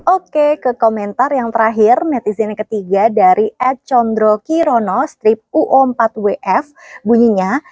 oke ke komentar yang terakhir netizen yang ketiga dari ed condro kirono strip uo empat wf bunyinya